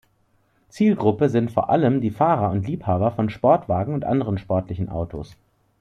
Zielgruppe sind vor allem die Fahrer und Liebhaber von Sportwagen und anderen sportlichen Autos.